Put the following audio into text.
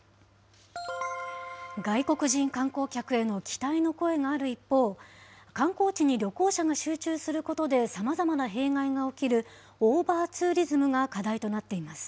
外国人観光客への期待の声がある一方、観光地に旅行者が集中することで、さまざまな弊害が起きるオーバーツーリズムが課題となっています。